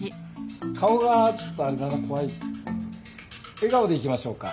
笑顔でいきましょうか。